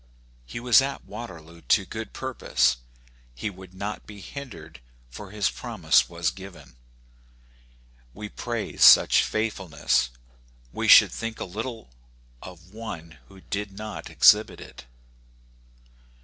He was at Waterloo to good purpose: he would not be hindered, for his promise was given. We praise such faithfulness ; we should think little of one who did not exhibit it.